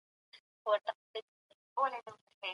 تاریخ پوه وویل چي زه د انقلابونو مشران څېړم.